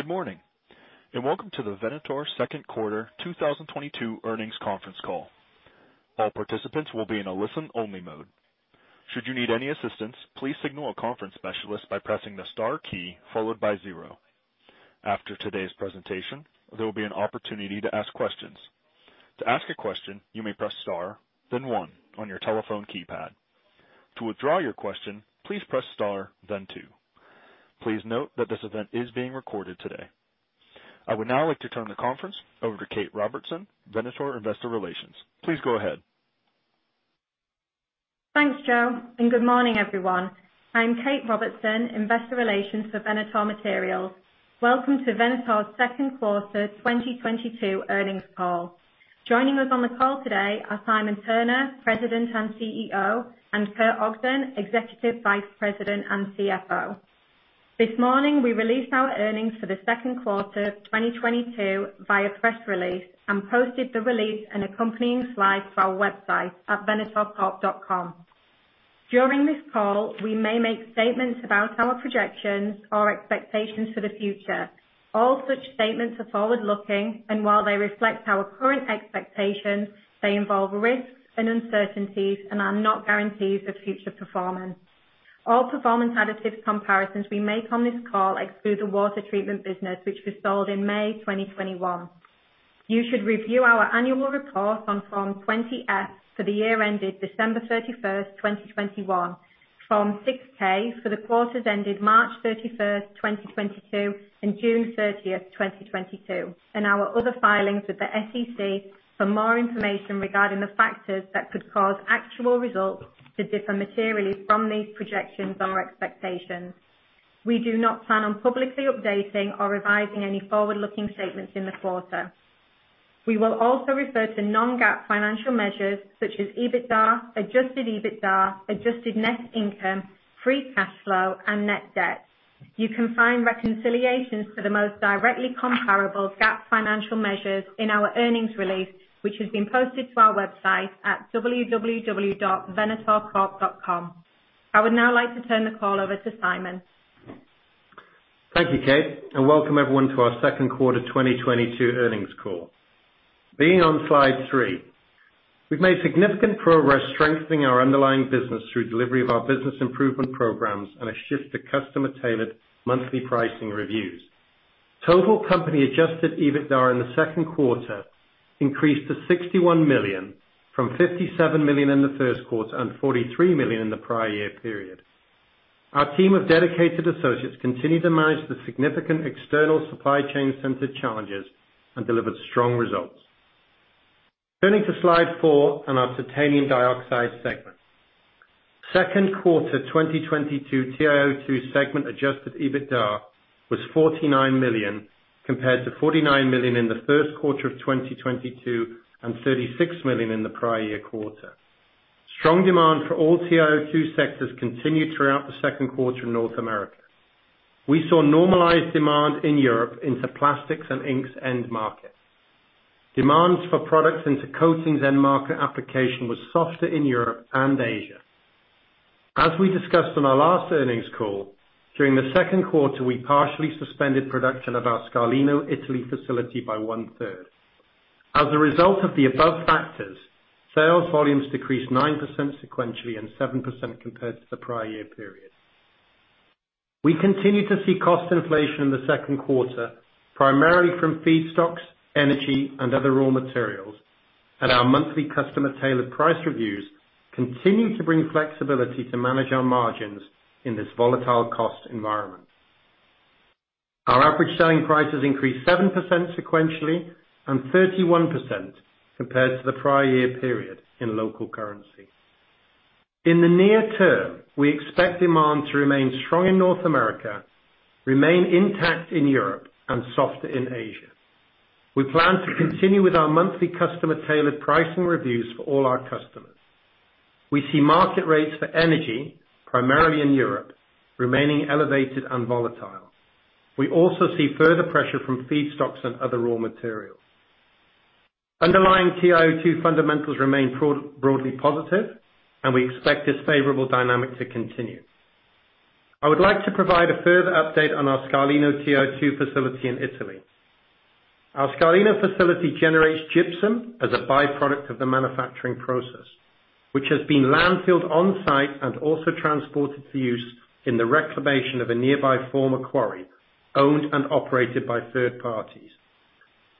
Good morning, and welcome to the Venator second quarter 2022 earnings conference call. All participants will be in a listen-only mode. Should you need any assistance, please signal a conference specialist by pressing the star key followed by zero. After today's presentation, there will be an opportunity to ask questions. To ask a question, you may press star, then one on your telephone keypad. To withdraw your question, please press star then two. Please note that this event is being recorded today. I would now like to turn the conference over to Kate Robertson, Venator Investor Relations. Please go ahead. Thanks, Joe, and good morning, everyone. I'm Kate Robertson, investor relations for Venator Materials. Welcome to Venator's second quarter 2022 earnings call. Joining us on the call today are Simon Turner, President and CEO, and Kurt Ogden, Executive Vice President and CFO. This morning, we released our earnings for the second quarter of 2022 via press release and posted the release and accompanying slides to our website at venatorcorp.com. During this call, we may make statements about our projections or expectations for the future. All such statements are forward-looking, and while they reflect our current expectations, they involve risks and uncertainties and are not guarantees of future performance. All Performance Additives comparisons we make on this call exclude the water treatment business, which was sold in May 2021. You should review our annual report on Form 20-F for the year ended December 31, 2021, Form 6-K for the quarters ended March 31, 2022, and June 30, 2022, and our other filings with the SEC for more information regarding the factors that could cause actual results to differ materially from these projections or expectations. We do not plan on publicly updating or revising any forward-looking statements in the quarter. We will also refer to non-GAAP financial measures such as EBITDA, adjusted EBITDA, adjusted net income, free cash flow, and net debt. You can find reconciliations to the most directly comparable GAAP financial measures in our earnings release, which has been posted to our website at www.venatorcorp.com. I would now like to turn the call over to Simon. Thank you, Kate, and welcome everyone to our second quarter 2022 earnings call. Turning to slide 3, we've made significant progress strengthening our underlying business through delivery of our business improvement programs and a shift to customer-tailored monthly pricing reviews. Total company adjusted EBITDA in the second quarter increased to $61 million from $57 million in the first quarter and $43 million in the prior year period. Our team of dedicated associates continue to manage the significant external supply chain-centered challenges and delivered strong results. Turning to slide 4 on our titanium dioxide segment. Second quarter 2022 TiO2 segment adjusted EBITDA was $49 million, compared to $49 million in the first quarter of 2022 and $36 million in the prior year quarter. Strong demand for all TiO2 sectors continued throughout the second quarter in North America. We saw normalized demand in Europe into plastics and inks end markets. Demands for products into coatings end market application was softer in Europe and Asia. As we discussed on our last earnings call, during the second quarter, we partially suspended production of our Scarlino, Italy facility by one-third. As a result of the above factors, sales volumes decreased 9% sequentially and 7% compared to the prior year period. We continued to see cost inflation in the second quarter, primarily from feedstocks, energy, and other raw materials. Our monthly customer-tailored price reviews continue to bring flexibility to manage our margins in this volatile cost environment. Our average selling prices increased 7% sequentially and 31% compared to the prior year period in local currency. In the near term, we expect demand to remain strong in North America, remain intact in Europe, and softer in Asia. We plan to continue with our monthly customer-tailored pricing reviews for all our customers. We see market rates for energy, primarily in Europe, remaining elevated and volatile. We also see further pressure from feedstocks and other raw materials. Underlying TiO2 fundamentals remain broadly positive, and we expect this favorable dynamic to continue. I would like to provide a further update on our Scarlino TiO2 facility in Italy. Our Scarlino facility generates gypsum as a byproduct of the manufacturing process, which has been landfilled on-site and also transported for use in the reclamation of a nearby former quarry owned and operated by third parties.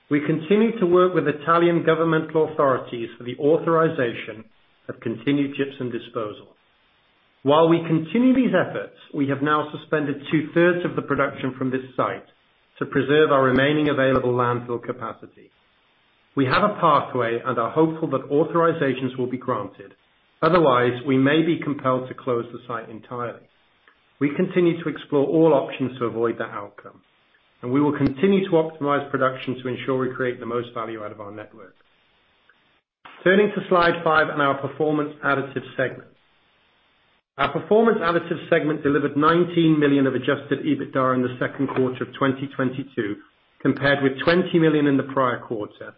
We continue to work with Italian governmental authorities for the authorization of continued gypsum disposal. While we continue these efforts, we have now suspended two-thirds of the production from this site to preserve our remaining available landfill capacity. We have a pathway and are hopeful that authorizations will be granted. Otherwise, we may be compelled to close the site entirely. We continue to explore all options to avoid that outcome, and we will continue to optimize production to ensure we create the most value out of our network. Turning to slide five on our Performance Additives segment. Our Performance Additives segment delivered $19 million of adjusted EBITDA in the second quarter of 2022, compared with $20 million in the prior quarter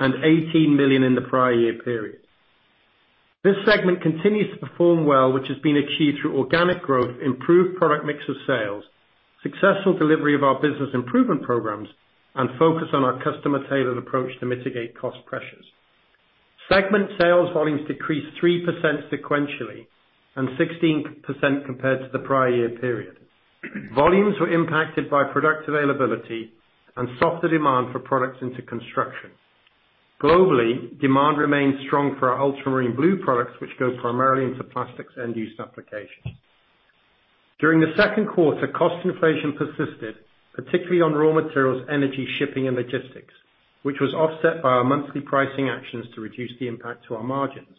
and $18 million in the prior year period. This segment continues to perform well, which has been achieved through organic growth, improved product mix of sales, successful delivery of our business improvement programs, and focus on our customer-tailored approach to mitigate cost pressures. Segment sales volumes decreased 3% sequentially and 16% compared to the prior year period. Volumes were impacted by product availability and softer demand for products into construction. Globally, demand remains strong for our ultramarine blue products, which go primarily into plastics end-use applications. During the second quarter, cost inflation persisted, particularly on raw materials, energy, shipping, and logistics, which was offset by our monthly pricing actions to reduce the impact to our margins.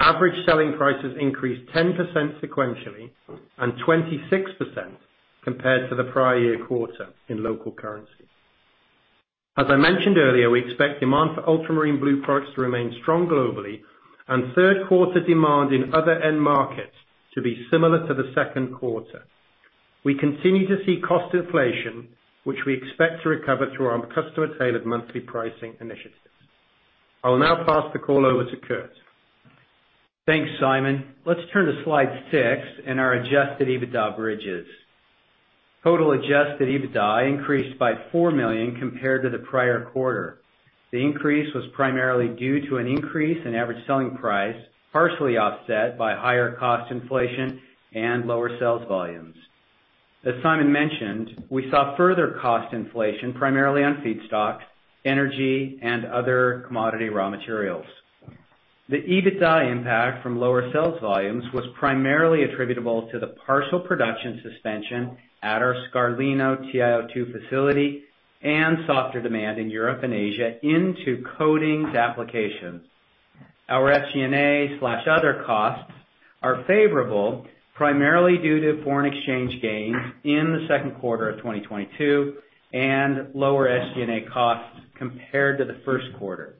Average selling prices increased 10% sequentially and 26% compared to the prior year quarter in local currency. As I mentioned earlier, we expect demand for ultramarine blue products to remain strong globally and third quarter demand in other end markets to be similar to the second quarter. We continue to see cost inflation, which we expect to recover through our customer-tailored monthly pricing initiatives. I will now pass the call over to Kurt. Thanks, Simon. Let's turn to slide 6 and our adjusted EBITDA bridges. Total adjusted EBITDA increased by $4 million compared to the prior quarter. The increase was primarily due to an increase in average selling price, partially offset by higher cost inflation and lower sales volumes. As Simon mentioned, we saw further cost inflation primarily on feedstocks, energy, and other commodity raw materials. The EBITDA impact from lower sales volumes was primarily attributable to the partial production suspension at our Scarlino TiO2 facility and softer demand in Europe and Asia into coatings applications. Our SG&A/other costs are favorable primarily due to foreign exchange gains in the second quarter of 2022 and lower SG&A costs compared to the first quarter.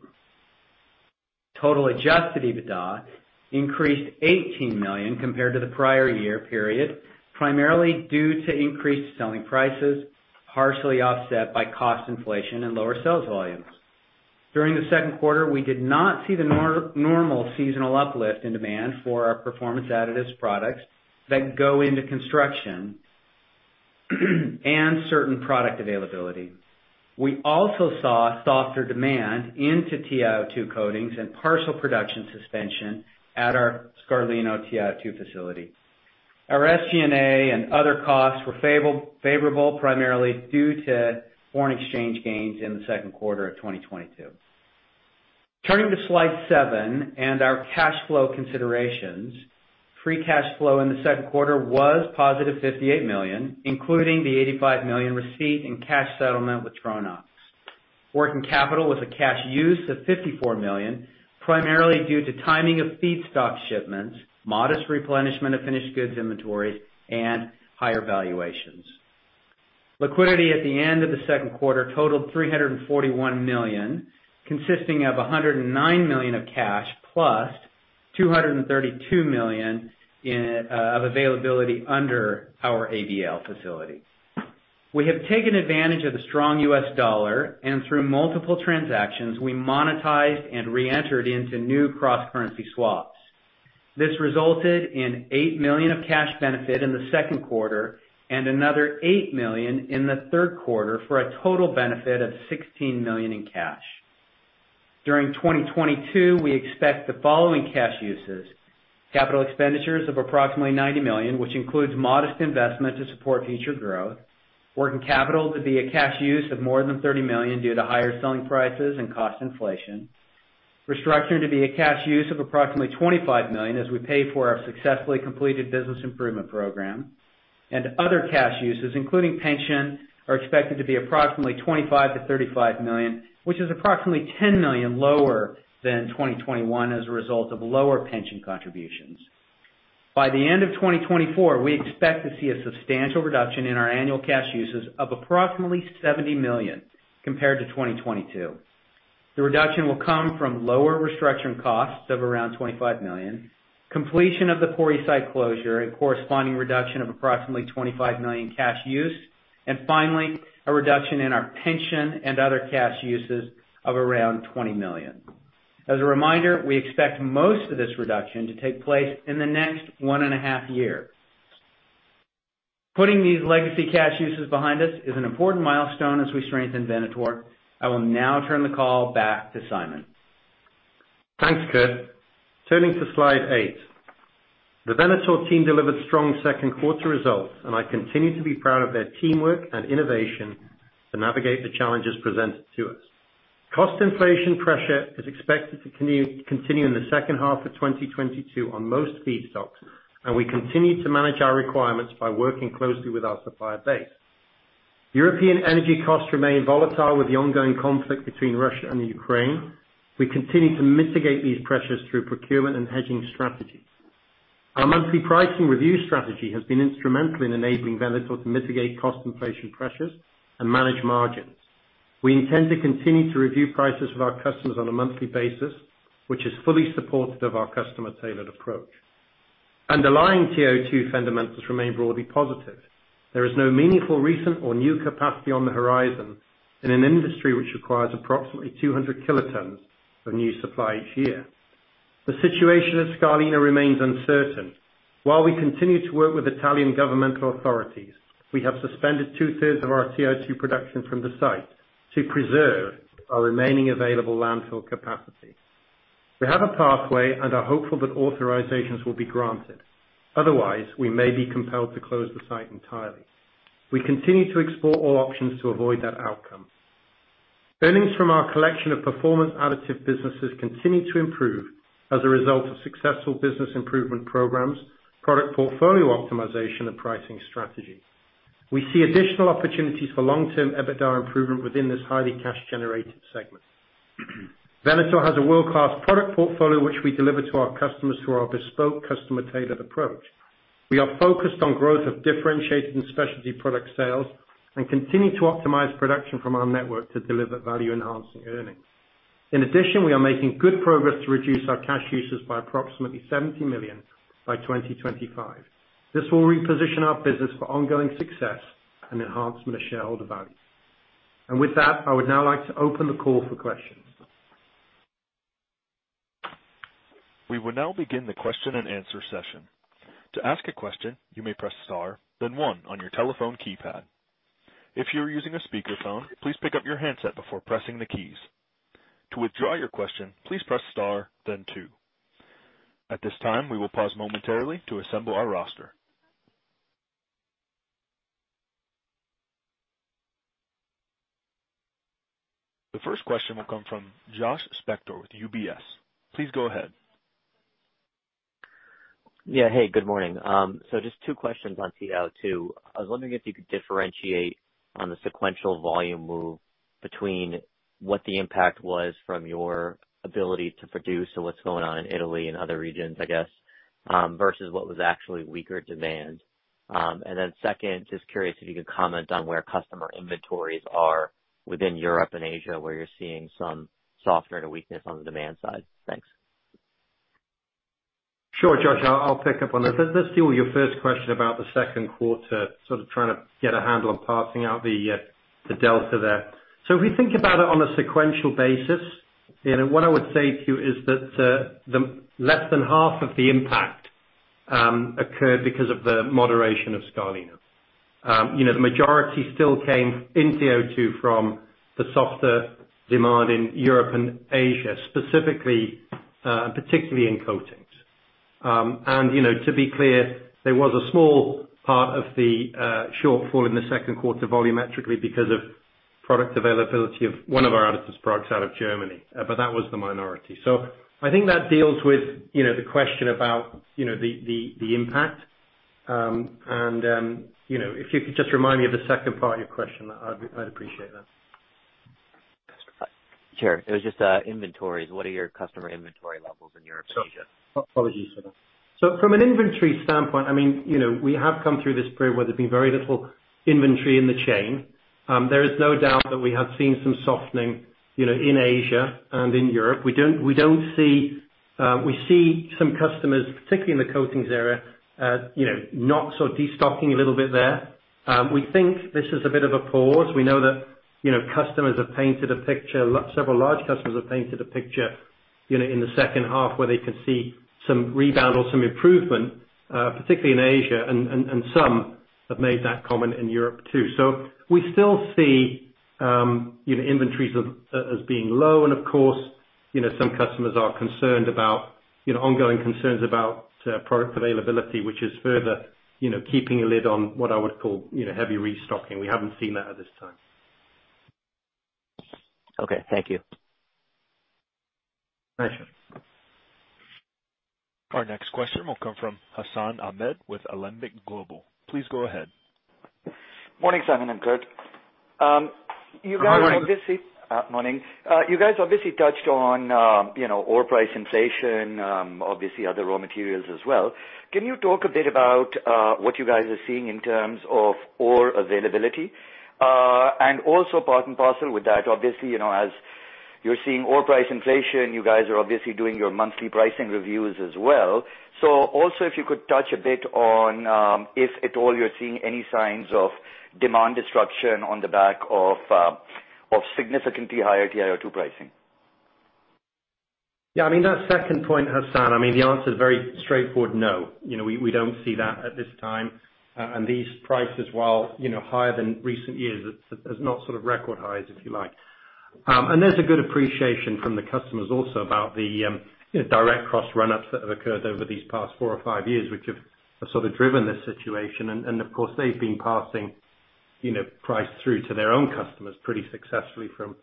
Total adjusted EBITDA increased $18 million compared to the prior year period, primarily due to increased selling prices, partially offset by cost inflation and lower sales volumes. During the second quarter, we did not see the normal seasonal uplift in demand for our Performance Additives products that go into construction and certain product availability. We also saw softer demand into TiO2 coatings and partial production suspension at our Scarlino TiO2 facility. Our SG&A and other costs were favorable primarily due to foreign exchange gains in the second quarter of 2022. Turning to slide seven and our cash flow considerations. Free cash flow in the second quarter was +$58 million, including the $85 million receipt in cash settlement with Tronox. Working capital was a cash use of $54 million, primarily due to timing of feedstock shipments, modest replenishment of finished goods inventory, and higher valuations. Liquidity at the end of the second quarter totaled $341 million, consisting of $109 million of cash plus $232 million in availability under our ABL facility. We have taken advantage of the strong U.S. dollar, and through multiple transactions, we monetized and reentered into new cross-currency swaps. This resulted in $8 million of cash benefit in the second quarter and another $8 million in the third quarter, for a total benefit of $16 million in cash. During 2022, we expect the following cash uses: capital expenditures of approximately $90 million, which includes modest investment to support future growth. Working capital to be a cash use of more than $30 million due to higher selling prices and cost inflation. Restructuring to be a cash use of approximately $25 million as we pay for our successfully completed business improvement program. Other cash uses, including pension, are expected to be approximately $25 million-$35 million, which is approximately $10 million lower than 2021 as a result of lower pension contributions. By the end of 2024, we expect to see a substantial reduction in our annual cash uses of approximately $70 million compared to 2022. The reduction will come from lower restructuring costs of around $25 million, completion of the Pori site closure, a corresponding reduction of approximately $25 million cash use, and finally, a reduction in our pension and other cash uses of around $20 million. As a reminder, we expect most of this reduction to take place in the next 1.5 years. Putting these legacy cash uses behind us is an important milestone as we strengthen Venator. I will now turn the call back to Simon. Thanks, Kurt. Turning to slide 8. The Venator team delivered strong second quarter results, and I continue to be proud of their teamwork and innovation to navigate the challenges presented to us. Cost inflation pressure is expected to continue in the second half of 2022 on most feedstocks, and we continue to manage our requirements by working closely with our supplier base. European energy costs remain volatile with the ongoing conflict between Russia and Ukraine. We continue to mitigate these pressures through procurement and hedging strategies. Our monthly pricing review strategy has been instrumental in enabling Venator to mitigate cost inflation pressures and manage margins. We intend to continue to review prices with our customers on a monthly basis, which is fully supportive of our customer-tailored approach. Underlying TiO2 fundamentals remain broadly positive. There is no meaningful recent or new capacity on the horizon in an industry which requires approximately 200 kilotons of new supply each year. The situation at Scarlino remains uncertain. While we continue to work with Italian governmental authorities, we have suspended two-thirds of our TiO2 production from the site to preserve our remaining available landfill capacity. We have a pathway and are hopeful that authorizations will be granted. Otherwise, we may be compelled to close the site entirely. We continue to explore all options to avoid that outcome. Earnings from our collection of Performance Additives businesses continue to improve as a result of successful business improvement programs, product portfolio optimization, and pricing strategy. We see additional opportunities for long-term EBITDA improvement within this highly cash-generated segment. Venator has a world-class product portfolio which we deliver to our customers through our bespoke customer-tailored approach. We are focused on growth of differentiated and specialty product sales, and continue to optimize production from our network to deliver value-enhancing earnings. In addition, we are making good progress to reduce our cash uses by approximately $70 million by 2025. This will reposition our business for ongoing success and enhancement of shareholder value. With that, I would now like to open the call for questions. We will now begin the question-and-answer session. To ask a question, you may press star then one on your telephone keypad. If you're using a speakerphone, please pick up your handset before pressing the keys. To withdraw your question, please press star then two. At this time, we will pause momentarily to assemble our roster. The first question will come from Josh Spector with UBS. Please go ahead. Yeah. Hey, good morning. Just two questions on TiO2. I was wondering if you could differentiate on the sequential volume move between what the impact was from your ability to produce and what's going on in Italy and other regions, I guess, versus what was actually weaker demand. Second, just curious if you could comment on where customer inventories are within Europe and Asia, where you're seeing some softer to weakness on the demand side. Thanks. Sure, Josh. I'll pick up on this. Let's deal with your first question about the second quarter, sort of trying to get a handle on parsing out the the delta there. If we think about it on a sequential basis, you know, what I would say to you is that, the less than half of the impact occurred because of the moderation of Scarlino. You know, the majority still came in TiO2 from the softer demand in Europe and Asia, specifically, and particularly in coatings. You know, to be clear, there was a small part of the the shortfall in the second quarter volumetrically because of product availability of one of our additives products out of Germany, but that was the minority. I think that deals with, you know, the question about, you know, the the the impact. You know, if you could just remind me of the second part of your question, I'd appreciate that. Sure. It was just, inventories. What are your customer inventory levels in Europe and Asia? Apologies for that. From an inventory standpoint, I mean, you know, we have come through this period where there's been very little inventory in the chain. There is no doubt that we have seen some softening, you know, in Asia and in Europe. We see some customers, particularly in the coatings area, you know, not sort of restocking a little bit there. We think this is a bit of a pause. We know that, you know, customers have painted a picture, several large customers have painted a picture, you know, in the second half where they can see some rebound or some improvement, particularly in Asia and some have made that comment in Europe too. We still see, you know, inventories as being low and of course, you know, some customers are concerned about, you know, ongoing concerns about product availability, which is further, you know, keeping a lid on what I would call, you know, heavy restocking. We haven't seen that at this time. Okay. Thank you. Thank you. Our next question will come from Hassan Ahmed with Alembic Global. Please go ahead. Morning, Simon and Kurt. You guys obviously. Good morning. Morning. You guys obviously touched on, you know, ore price inflation, obviously other raw materials as well. Can you talk a bit about what you guys are seeing in terms of ore availability? Also part and parcel with that, obviously, you know, as you're seeing ore price inflation, you guys are obviously doing your monthly pricing reviews as well. Also if you could touch a bit on, if at all you're seeing any signs of demand disruption on the back of significantly higher TiO2 pricing. Yeah, I mean, that second point, Hassan, I mean, the answer is very straightforward. No. You know, we don't see that at this time. And these prices, while, you know, higher than recent years, it's not sort of record highs, if you like. And there's a good appreciation from the customers also about the, you know, direct cost run-ups that have occurred over these past four or five years, which have sort of driven this situation. And of course, they've been passing, you know, price through to their own customers pretty successfully from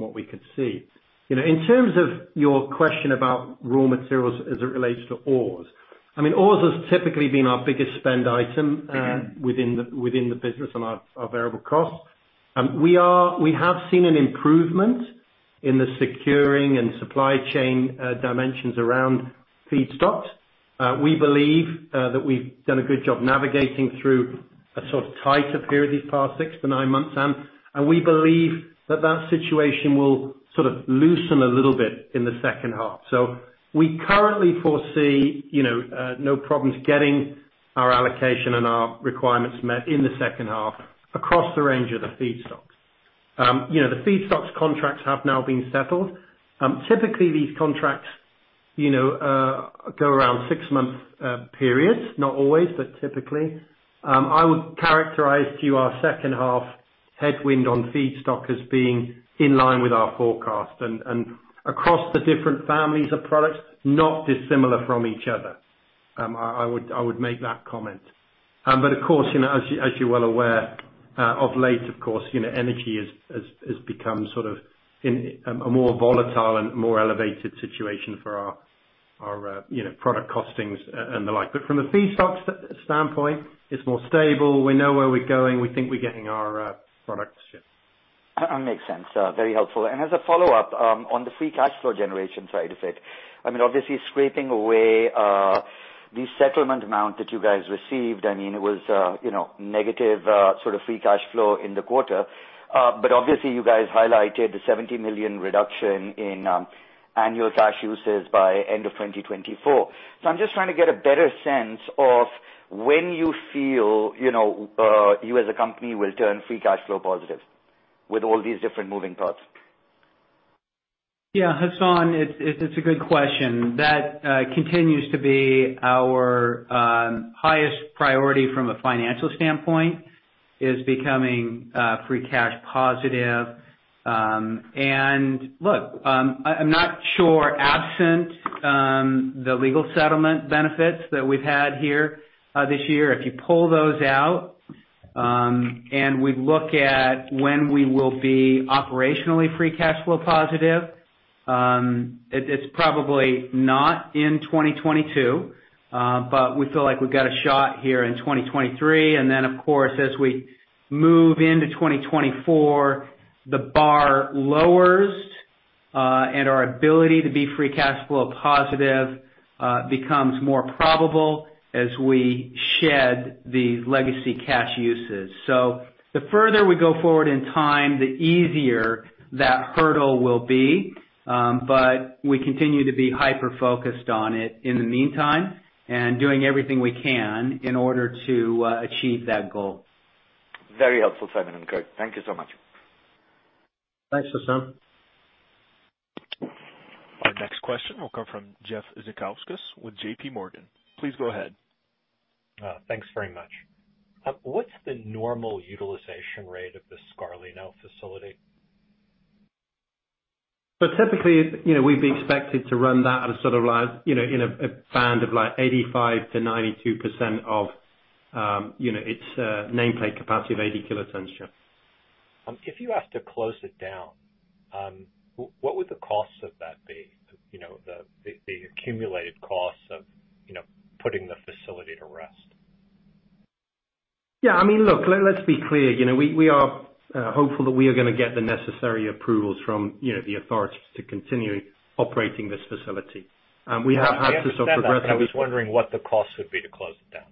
what we could see. You know, in terms of your question about raw materials as it relates to ores. I mean, ores has typically been our biggest spend item within the business and our variable costs. We have seen an improvement in the securing and supply chain dimensions around feedstocks. We believe that we've done a good job navigating through a sort of tighter period these past 6-9 months. We believe that situation will sort of loosen a little bit in the second half. We currently foresee, you know, no problems getting our allocation and our requirements met in the second half across the range of the feedstocks. You know, the feedstocks contracts have now been settled. Typically these contracts, you know, go around six-month periods, not always, but typically. I would characterize to you our second half headwind on feedstock as being in line with our forecast and across the different families of products, not dissimilar from each other. I would make that comment. But of course, you know, as you, as you're well aware, of late, of course, you know, energy has become sort of in a more volatile and more elevated situation for our, you know, product costings and the like. But from a feedstocks standpoint, it's more stable. We know where we're going. We think we're getting our products, yeah. Makes sense. Very helpful. As a follow-up, on the free cash flow generation side of it, I mean, obviously scraping away the settlement amount that you guys received, I mean, it was, you know, negative sort of free cash flow in the quarter. But obviously you guys highlighted the $70 million reduction in annual cash uses by end of 2024. I'm just trying to get a better sense of when you feel, you know, you as a company will turn free cash flow positive with all these different moving parts. Yeah, Hassan, it's a good question. That continues to be our highest priority from a financial standpoint, is becoming free cash positive. Look, I'm not sure absent the legal settlement benefits that we've had here this year. If you pull those out, and we look at when we will be operationally free cash flow positive, it's probably not in 2022. We feel like we've got a shot here in 2023. Of course, as we move into 2024, the bar lowers, and our ability to be free cash flow positive becomes more probable as we shed the legacy cash uses. The further we go forward in time, the easier that hurdle will be. We continue to be hyper-focused on it in the meantime, and doing everything we can in order to achieve that goal. Very helpful, Simon and Kurt. Thank you so much. Thanks, Hassan. Our next question will come from Jeffrey Zekauskas with JPMorgan. Please go ahead. Thanks very much. What's the normal utilization rate of the Scarlino facility? Typically, you know, we'd be expected to run that at a sort of like, you know, in a band of like 85%-92% of its nameplate capacity of 80 kilotons. If you have to close it down, what would the costs of that be? You know, the accumulated costs of, you know, putting the facility to rest. Yeah, I mean, look, let's be clear. You know, we are hopeful that we are gonna get the necessary approvals from, you know, the authorities to continue operating this facility. We have had some progressive. I understand that, but I was wondering what the cost would be to close it down.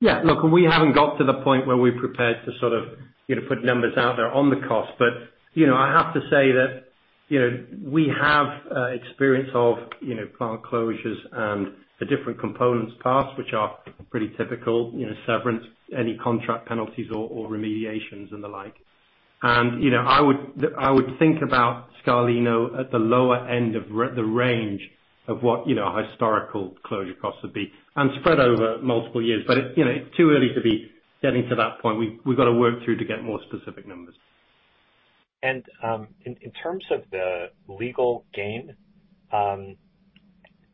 Yeah. Look, we haven't got to the point where we're prepared to sort of, you know, put numbers out there on the cost. You know, I have to say that, you know, we have experience of, you know, plant closures and the different components costs, which are pretty typical, you know, severance, any contract penalties or remediations and the like. You know, I would think about Scarlino at the lower end of the range of what, you know, historical closure costs would be and spread over multiple years. You know, it's too early to be getting to that point. We've got to work through to get more specific numbers. In terms of the legal gain,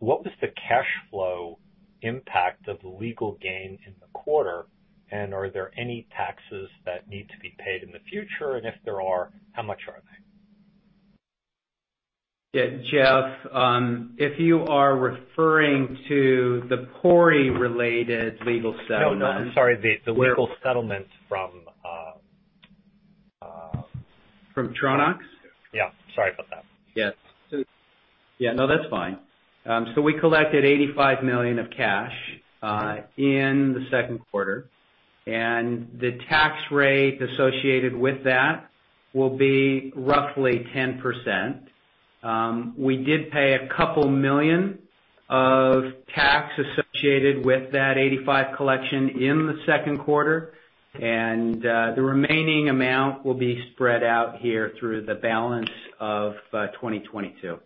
what was the cash flow impact of the legal gain in the quarter? Are there any taxes that need to be paid in the future? If there are, how much are they? Yeah, Jeffrey, if you are referring to the Pori-related legal settlement. No, no, I'm sorry. The legal settlement from, From Tronox? Yeah. Sorry about that. Yes. Yeah, no, that's fine. So we collected $85 million of cash in the second quarter, and the tax rate associated with that will be roughly 10%. We did pay a couple million of tax associated with that $85 million collection in the second quarter. The remaining amount will be spread out here through the balance of 2022. Okay,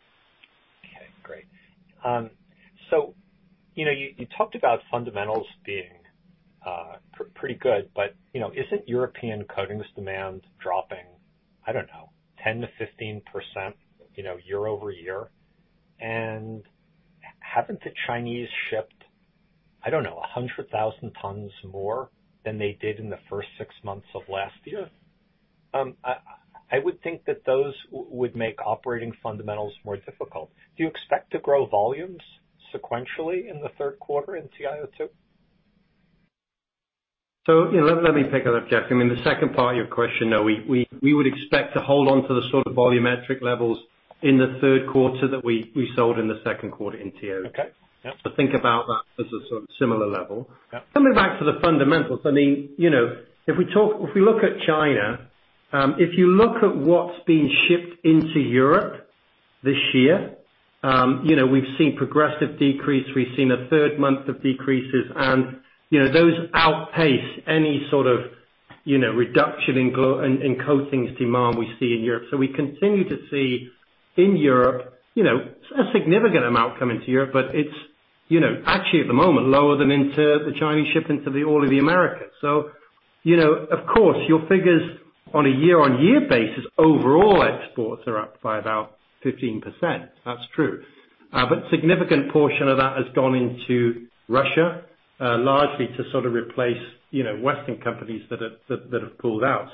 great. You know, you talked about fundamentals being pretty good, but, you know, isn't European coatings demand dropping, I don't know, 10%-15%, you know, year-over-year? Haven't the Chinese shipped, I don't know, 100,000 tons more than they did in the first six months of last year? I would think that those would make operating fundamentals more difficult. Do you expect to grow volumes sequentially in the third quarter in TiO2? You know, let me pick it up, Jeffrey Zekauskas. I mean, the second part of your question, no, we would expect to hold on to the sort of volumetric levels in the third quarter that we sold in the second quarter in TiO2. Okay. Yeah. think about that as a sort of similar level. Coming back to the fundamentals, I mean, you know, if we look at China, if you look at what's being shipped into Europe this year, you know, we've seen progressive decrease, we've seen a third month of decreases and, you know, those outpace any sort of, you know, reduction in in coatings demand we see in Europe. We continue to see in Europe, you know, a significant amount coming to Europe, but it's, you know, actually at the moment lower than the Chinese shipments into all of the Americas. You know, of course, your figures on a year-on-year basis, overall exports are up by about 15%. That's true. But significant portion of that has gone into Russia, largely to sort of replace, you know, Western companies that have pulled out.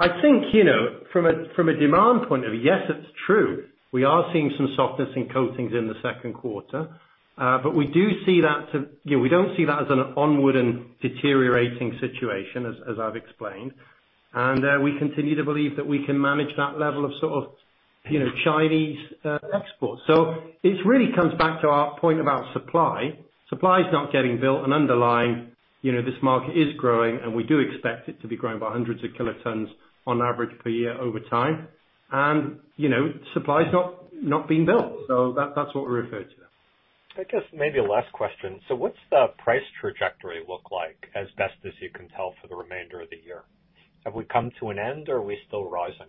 I think, you know, from a demand point of view, yes, it's true, we are seeing some softness in coatings in the second quarter. But we do see that you know, we don't see that as an onward and deteriorating situation as I've explained. We continue to believe that we can manage that level of sort of, you know, Chinese exports. It really comes back to our point about supply. Supply is not getting built and underlying, you know, this market is growing, and we do expect it to be growing by hundreds of kilotons on average per year over time. You know, supply is not being built. That's what we're referring to there. I guess maybe last question. What's the price trajectory look like as best as you can tell for the remainder of the year? Have we come to an end or are we still rising?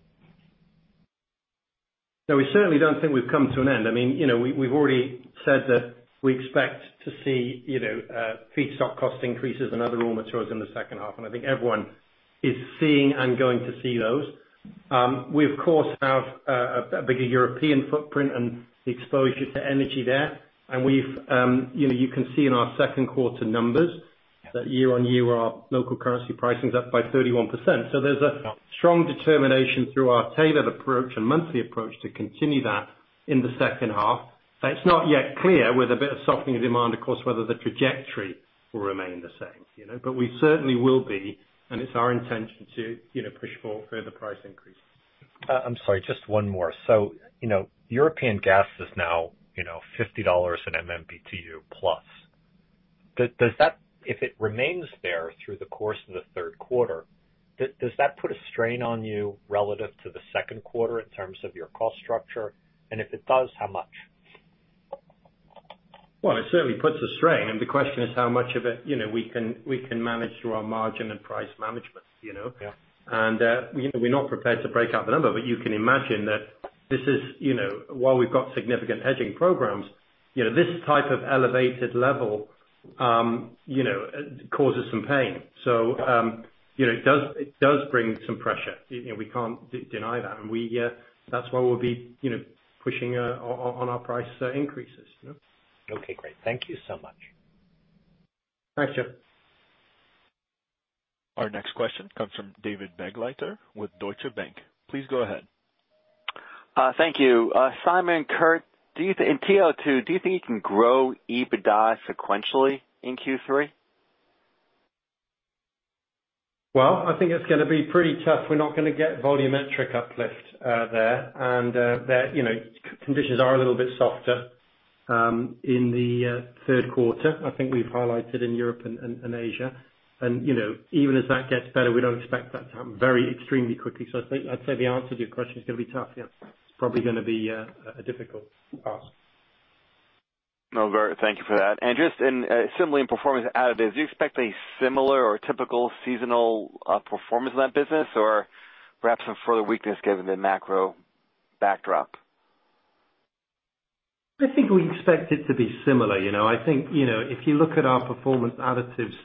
No, we certainly don't think we've come to an end. I mean, you know, we've already said that we expect to see, you know, feedstock cost increases and other raw materials in the second half, and I think everyone is seeing and going to see those. We of course have a bigger European footprint and the exposure to energy there. We've, you know, you can see in our second quarter numbers that year-on-year our local currency pricing is up by 31%. There's a strong determination through our tailored approach and monthly approach to continue that in the second half. It's not yet clear with a bit of softening demand, of course, whether the trajectory will remain the same, you know? We certainly will be, and it's our intention to, you know, push for further price increases. I'm sorry, just one more. You know, European gas is now, you know, $50 in MMBtu plus. Does that, if it remains there through the course of the third quarter, does that put a strain on you relative to the second quarter in terms of your cost structure? And if it does, how much? Well, it certainly puts a strain, and the question is how much of it, you know, we can manage through our margin and price management, you know? You know, we're not prepared to break out the number, but you can imagine that this is, you know, while we've got significant hedging programs, you know, this type of elevated level, you know, causes some pain. You know, it does bring some pressure. You know, we can't deny that. That's why we'll be, you know, pushing on our price increases, you know? Okay, great. Thank you so much. Thanks, Jeff. Our next question comes from David Begleiter with Deutsche Bank. Please go ahead. Thank you. Simon, Kurt, do you think in TiO2 you can grow EBITDA sequentially in Q3? Well, I think it's gonna be pretty tough. We're not gonna get volumetric uplift there. There, you know, conditions are a little bit softer in the third quarter. I think we've highlighted in Europe and Asia. You know, even as that gets better, we don't expect that to happen very extremely quickly. I think I'd say the answer to your question is gonna be tough. Yeah. It's probably gonna be a difficult ask. No, thank you for that. Just in, similarly in Performance Additives, do you expect a similar or typical seasonal performance in that business? Or perhaps some further weakness given the macro backdrop? I think we expect it to be similar, you know. I think, you know, if you look at our Performance Additives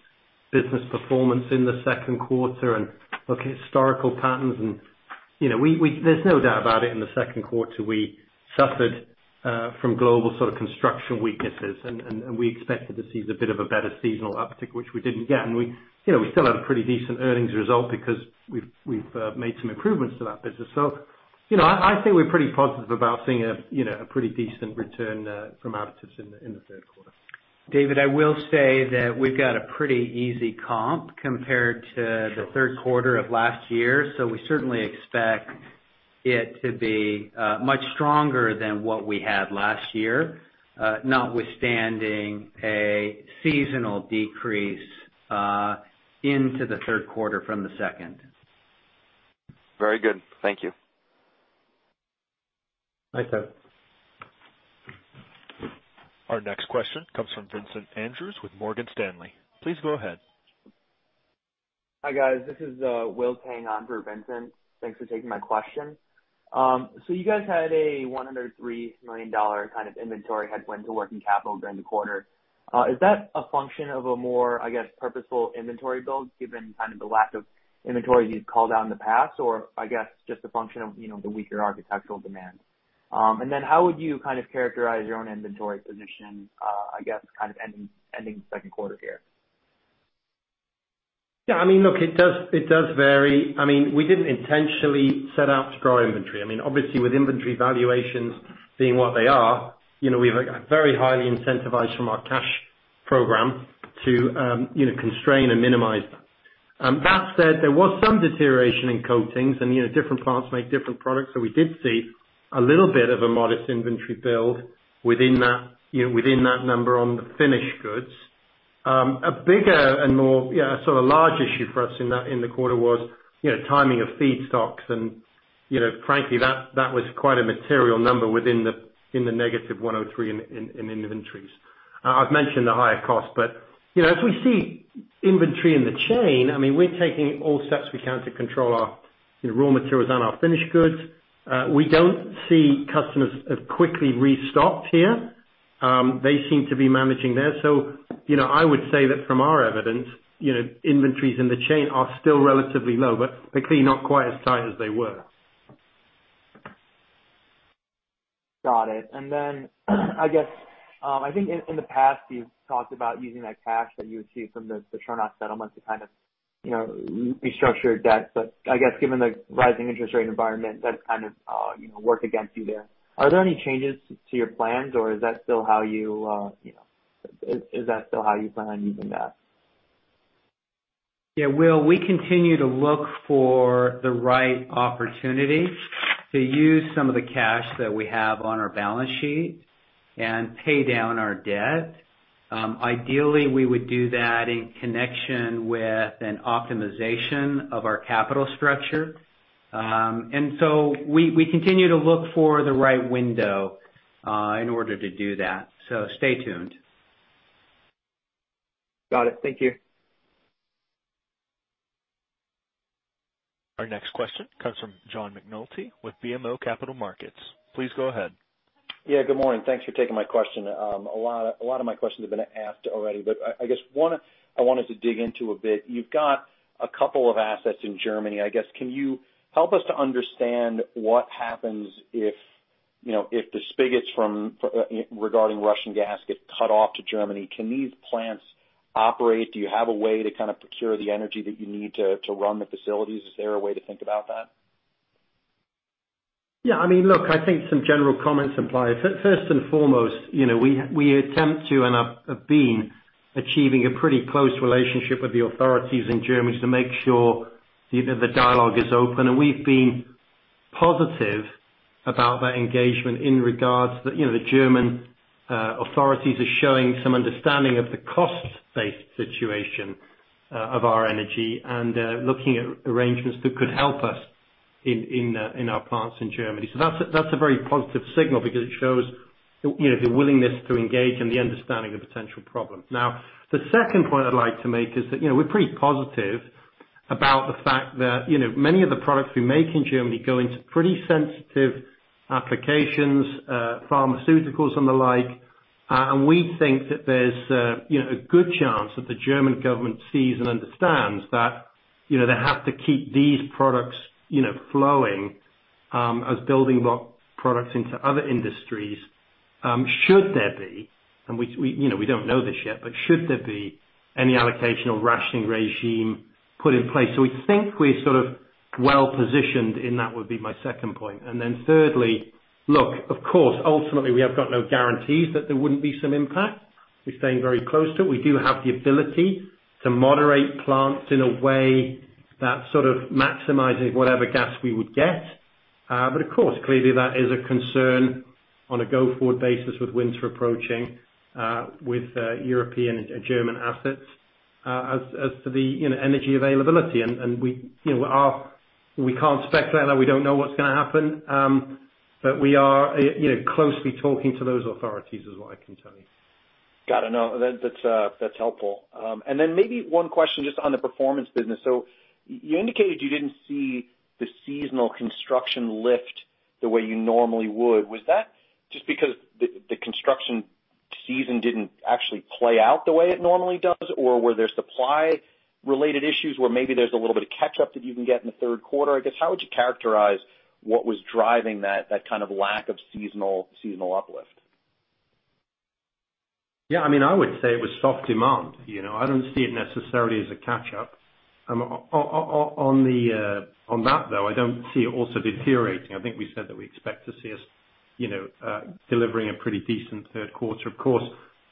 business performance in the second quarter and look at historical patterns and, you know, we—there's no doubt about it, in the second quarter, we suffered from global sort of construction weaknesses, and we expected to see a bit of a better seasonal uptick, which we didn't get. We, you know, we still had a pretty decent earnings result because we've made some improvements to that business. You know, I think we're pretty positive about seeing a, you know, a pretty decent return from Additives in the third quarter. David, I will say that we've got a pretty easy comp compared to the third quarter of last year. We certainly expect it to be much stronger than what we had last year, notwithstanding a seasonal decrease into the third quarter from the second. Very good. Thank you. Thanks, David. Our next question comes from Vincent Andrews with Morgan Stanley. Please go ahead. Hi, guys. This is Will Tang on for Vincent. Thanks for taking my question. So you guys had a $103 million kind of inventory headwind to working capital during the quarter. Is that a function of a more, I guess, purposeful inventory build given kind of the lack of inventory you'd called out in the past? Or I guess, just a function of, you know, the weaker architectural demand? And then how would you kind of characterize your own inventory position, I guess, kind of ending the second quarter here? Yeah, I mean, look, it does vary. I mean, we didn't intentionally set out to grow inventory. I mean, obviously with inventory valuations being what they are, you know, we are very highly incentivized from our cash program to, you know, constrain and minimize that. That said, there was some deterioration in coatings and, you know, different plants make different products. So we did see a little bit of a modest inventory build within that, you know, within that number on the finished goods. A bigger and more, you know, sort of large issue for us in the quarter was, you know, timing of feedstocks. You know, frankly, that was quite a material number within the -$103 in inventories. I've mentioned the higher cost, but, you know, as we see inventory in the chain, I mean, we're taking all steps we can to control our, you know, raw materials and our finished goods. We don't see customers have quickly restocked here. They seem to be managing there. You know, I would say that from our evidence, you know, inventories in the chain are still relatively low, but clearly not quite as tight as they were. Got it. I guess, I think in the past you've talked about using that cash that you would see from the Tronox settlement to kind of, you know, restructure debt. I guess given the rising interest rate environment, that's kind of, you know, worked against you there. Are there any changes to your plans or, you know, is that still how you plan on using that? Yeah, Will, we continue to look for the right opportunity to use some of the cash that we have on our balance sheet and pay down our debt. Ideally, we would do that in connection with an optimization of our capital structure. We continue to look for the right window in order to do that. Stay tuned. Got it. Thank you. Our next question comes from John McNulty with BMO Capital Markets. Please go ahead. Yeah, good morning. Thanks for taking my question. A lot of my questions have been asked already, but I guess one I wanted to dig into a bit. You've got a couple of assets in Germany. I guess can you help us to understand what happens if, you know, if the spigots from regarding Russian gas get cut off to Germany, can these plants operate? Do you have a way to kind of procure the energy that you need to run the facilities? Is there a way to think about that? Yeah, I mean, look, I think some general comments apply. First and foremost, you know, we attempt to and have been achieving a pretty close relationship with the authorities in Germany to make sure the dialogue is open. We've been positive about that engagement in regards to, you know, the German authorities are showing some understanding of the cost-based situation of our energy and looking at arrangements that could help us in our plants in Germany. That's a very positive signal because it shows, you know, the willingness to engage and the understanding of potential problems. Now, the second point I'd like to make is that, you know, we're pretty positive about the fact that, you know, many of the products we make in Germany go into pretty sensitive applications, pharmaceuticals and the like. We think that there's, you know, a good chance that the German government sees and understands that, you know, they have to keep these products, you know, flowing, as building block products into other industries, and we you know we don't know this yet, but should there be any allocation or rationing regime put in place. We think we're sort of well positioned, and that would be my second point. Then thirdly, look, of course, ultimately we have got no guarantees that there wouldn't be some impact. We're staying very close to it. We do have the ability to moderate plants in a way that sort of maximizes whatever gas we would get. Of course, clearly that is a concern on a go-forward basis with winter approaching, with European and German assets, as to the, you know, energy availability. We can't speculate. We don't know what's gonna happen. We are, you know, closely talking to those authorities is what I can tell you. Got it. No, that's helpful. Maybe one question just on the performance business. You indicated you didn't see the seasonal construction lift the way you normally would. Was that just because the construction season didn't actually play out the way it normally does? Or were there supply-related issues where maybe there's a little bit of catch-up that you can get in the third quarter? I guess, how would you characterize what was driving that kind of lack of seasonal uplift? Yeah, I mean, I would say it was soft demand. You know, I don't see it necessarily as a catch up. On that though, I don't see it also deteriorating. I think we said that we expect to see us, you know, delivering a pretty decent third quarter. Of course,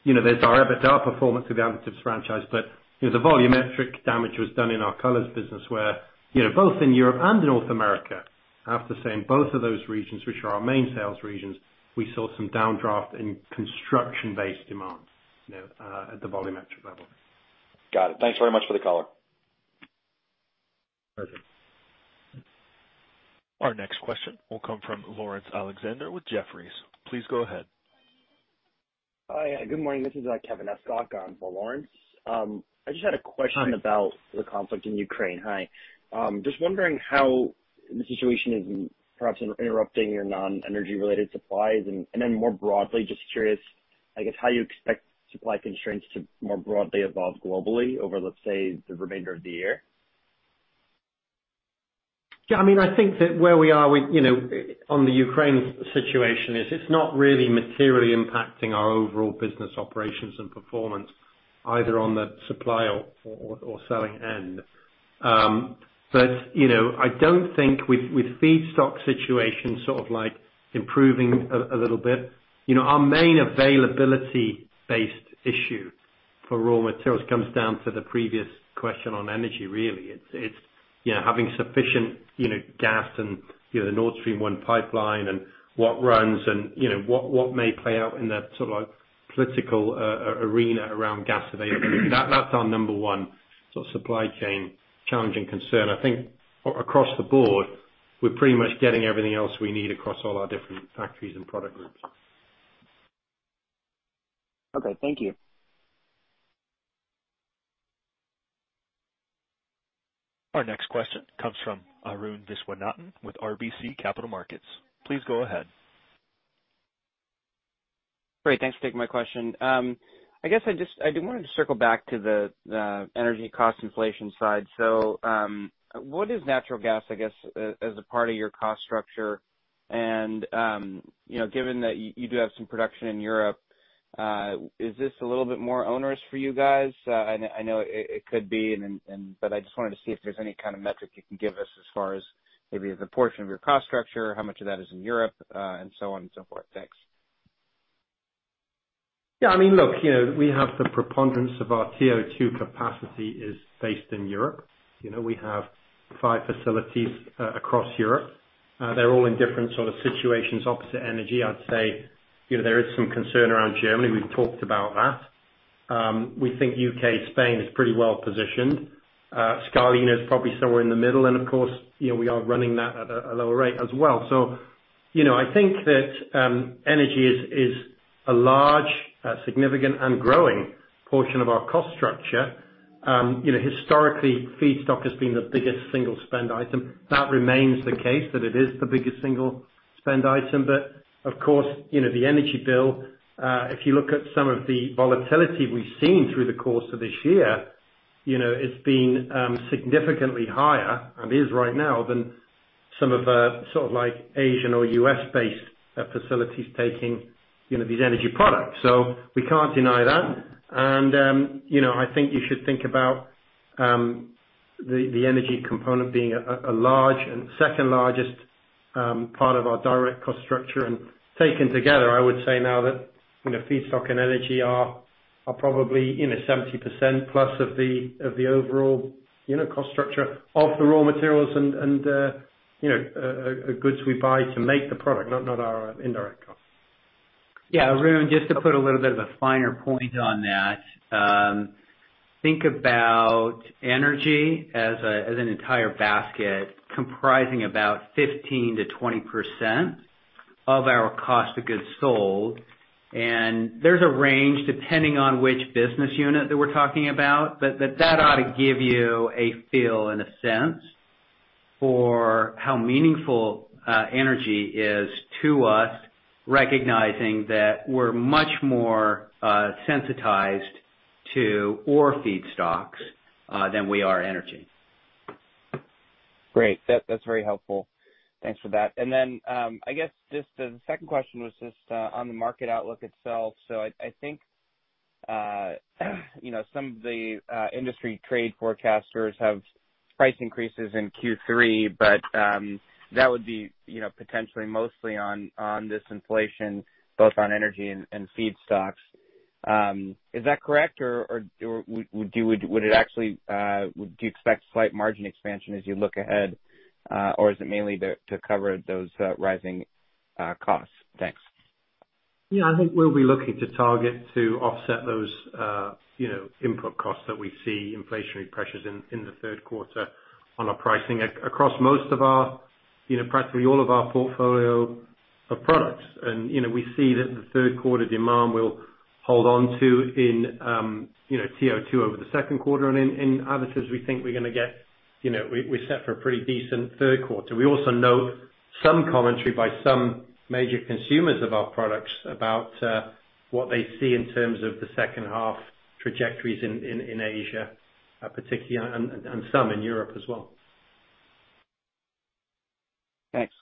you know, there's our performance with the additives franchise. But, you know, the volumetric damage was done in our Colors business where, you know, both in Europe and in North America, I have to say, in both of those regions, which are our main sales regions, we saw some downdraft in construction-based demand, you know, at the volumetric level. Got it. Thanks very much for the color. Perfect. Our next question will come from Laurence Alexander with Jefferies. Please go ahead. Hi, good morning. This is Kevin Estok on for Laurence. I just had a question. Hi. About the conflict in Ukraine. Hi. Just wondering how the situation is perhaps interrupting your non-energy related supplies. Then more broadly, just curious, I guess, how you expect supply constraints to more broadly evolve globally over, let's say, the remainder of the year? Yeah, I think that where we are with, you know, on the Ukraine situation is it's not really materially impacting our overall business operations and performance either on the supply or selling end. But, you know, I don't think with feedstock situations sort of like improving a little bit, you know, our main availability-based issue for raw materials comes down to the previous question on energy really. It's you know, having sufficient you know, gas and you know, the Nord Stream 1 pipeline and what runs and you know, what may play out in that sort of like political arena around gas availability. That's our number one sort of supply chain challenging concern. I think across the board, we're pretty much getting everything else we need across all our different factories and product groups. Okay, thank you. Our next question comes from Arun Viswanathan with RBC Capital Markets. Please go ahead. Great. Thanks for taking my question. I guess I just wanted to circle back to the energy cost inflation side. So, what is natural gas, I guess, as a part of your cost structure? And, you know, given that you do have some production in Europe, is this a little bit more onerous for you guys? And I know it could be, but I just wanted to see if there's any kind of metric you can give us as far as maybe the portion of your cost structure, how much of that is in Europe, and so on and so forth. Thanks. Yeah, I mean, look, you know, we have the preponderance of our TiO2 capacity is based in Europe. You know, we have five facilities across Europe. They're all in different sort of situations. With respect to energy, I'd say, you know, there is some concern around Germany. We've talked about that. We think UK, Spain is pretty well-positioned. Scarlino is probably somewhere in the middle, and of course, you know, we are running that at a lower rate as well. You know, I think that energy is a large significant and growing portion of our cost structure. You know, historically, feedstock has been the biggest single spend item. That remains the case, it is the biggest single spend item. Of course, you know, the energy bill, if you look at some of the volatility we've seen through the course of this year, you know, it's been significantly higher, and is right now than some of the sort of like Asian or U.S.-based facilities taking, you know, these energy products. We can't deny that. You know, I think you should think about the energy component being a large and second largest part of our direct cost structure. Taken together, I would say now that, you know, feedstock and energy are probably, you know, 70% plus of the overall cost structure of the raw materials and goods we buy to make the product, not our indirect costs. Yeah. Arun, just to put a little bit of a finer point on that, think about energy as an entire basket comprising about 15%-20% of our cost of goods sold. There's a range depending on which business unit that we're talking about, but that ought to give you a feel in a sense for how meaningful energy is to us, recognizing that we're much more sensitized to ore feedstocks than we are energy. Great. That's very helpful. Thanks for that. Then, I guess just the second question was just on the market outlook itself. I think, you know, some of the industry trade forecasters have price increases in Q3, but that would be, you know, potentially mostly on this inflation, both on energy and feedstocks. Is that correct or do you expect slight margin expansion as you look ahead, or is it mainly there to cover those rising costs? Thanks. Yeah. I think we'll be looking to target to offset those, you know, input costs that we see inflationary pressures in the third quarter on our pricing across most of our, you know, practically all of our portfolio of products. We see that the third quarter demand will hold on to in, you know, TiO2 over the second quarter. In others, we think we're gonna get, you know, we're set for a pretty decent third quarter. We also note some commentary by some major consumers of our products about what they see in terms of the second half trajectories in Asia, particularly, and some in Europe as well. Thanks.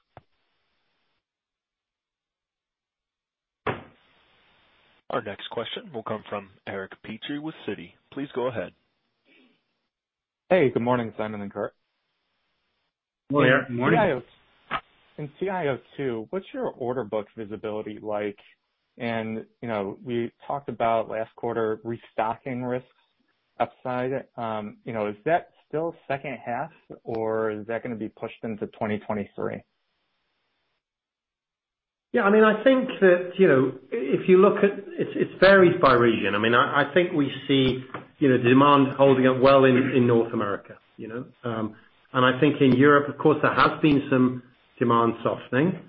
Our next question will come from Eric Petrie with Citi. Please go ahead. Hey, good morning, Simon and Kurt. Good morning. In Q2, what's your order book visibility like? You know, we talked about last quarter restocking risks upside. You know, is that still second half, or is that gonna be pushed into 2023? Yeah, I mean, I think that, you know, if you look at it varies by region. I mean, I think we see, you know, demand holding up well in North America, you know. I think in Europe, of course, there has been some demand softening.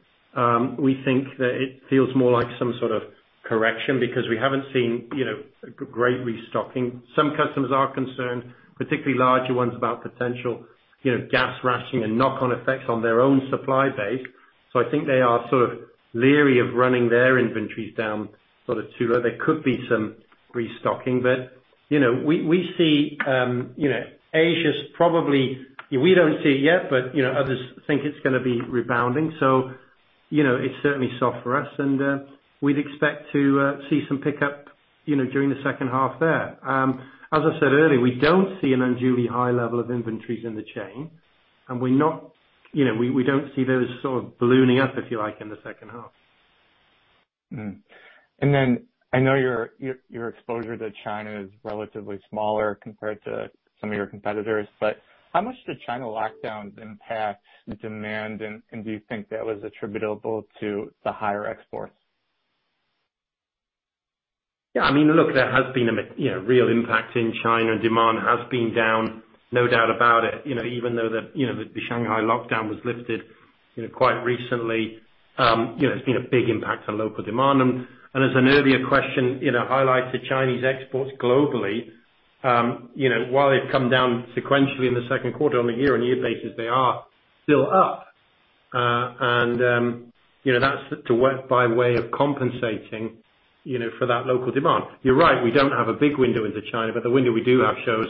We think that it feels more like some sort of correction because we haven't seen, you know, great restocking. Some customers are concerned, particularly larger ones, about potential, you know, gas rationing and knock-on effects on their own supply base. I think they are sort of leery of running their inventories down sort of too low. There could be some restocking, but, you know, we see, you know, Asia's probably. We don't see it yet, but, you know, others think it's gonna be rebounding. You know, it's certainly soft for us and we'd expect to see some pickup, you know, during the second half there. As I said earlier, we don't see an unduly high level of inventories in the chain. You know, we don't see those sort of ballooning up, if you like, in the second half. I know your exposure to China is relatively smaller compared to some of your competitors, but how much did China lockdowns impact the demand, and do you think that was attributable to the higher exports? Yeah. I mean, look, there has been a real impact in China. Demand has been down, no doubt about it. You know, even though the Shanghai lockdown was lifted quite recently, there's been a big impact on local demand. As an earlier question highlighted, Chinese exports globally, while they've come down sequentially in the second quarter, on a year-on-year basis, they are still up. That's to work by way of compensating for that local demand. You're right, we don't have a big window into China, but the window we do have shows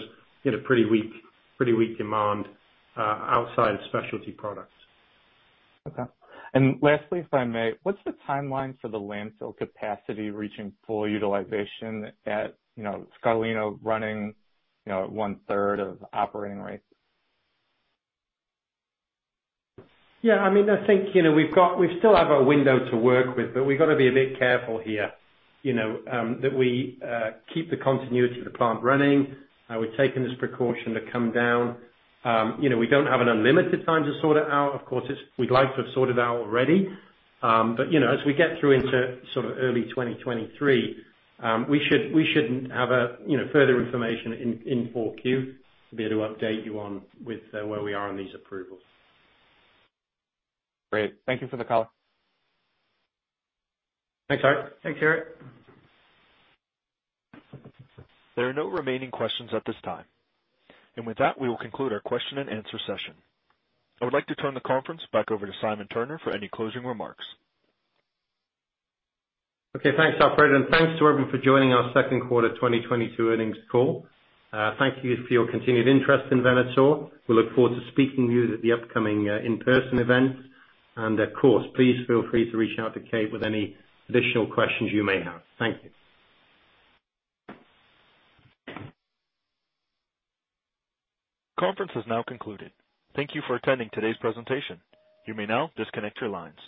pretty weak demand outside of specialty products. Okay. Lastly, if I may, what's the timeline for the landfill capacity reaching full utilization at, you know, Scarlino running, you know, at one-third of operating rates? Yeah, I mean, I think, you know, we still have a window to work with, but we've gotta be a bit careful here, you know, that we keep the continuity of the plant running. We've taken this precaution to come down. You know, we don't have an unlimited time to sort it out. Of course, we'd like to have sorted out already. You know, as we get through into sort of early 2023, we should have further information in Q4 to be able to update you on with where we are on these approvals. Great. Thank you for the color. Thanks, Eric. Thanks, Eric. There are no remaining questions at this time. With that, we will conclude our question and answer session. I would like to turn the conference back over to Simon Turner for any closing remarks. Okay, thanks, operator. Thanks to everyone for joining our second quarter 2022 earnings call. Thank you for your continued interest in Venator. We look forward to speaking with you at the upcoming in-person event. Of course, please feel free to reach out to Kate with any additional questions you may have. Thank you. Conference is now concluded. Thank you for attending today's presentation. You may now disconnect your lines.